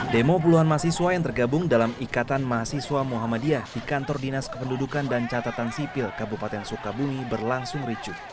demo puluhan mahasiswa yang tergabung dalam ikatan mahasiswa muhammadiyah di kantor dinas kependudukan dan catatan sipil kabupaten sukabumi berlangsung ricu